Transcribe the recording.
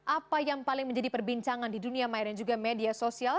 apa yang paling menjadi perbincangan di dunia maya dan juga media sosial